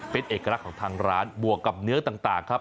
เป็นเอกลักษณ์ของทางร้านบวกกับเนื้อต่างครับ